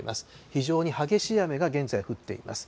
非常に激しい雨が現在降っています。